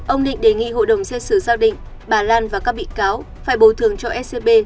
ông định đề nghị hội đồng xét xử xác định bà lan và các bị cáo phải bồi thường cho scb